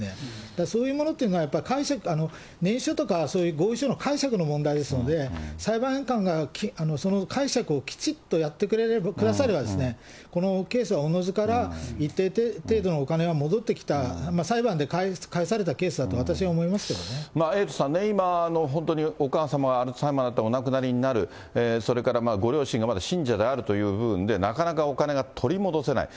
そういうものというのは、解釈、念書とか合意書とかの解釈の問題ですので、裁判官がその解釈をきちっとやってくだされば、このケースはおのずから、一定程度のお金は戻ってきた、裁判で返されたケースだと、エイトさんね、今、本当にお母様がアルツハイマーになってお亡くなりになる、それからご両親がまだ信者であるという部分で、なかなかお金が取り戻せない。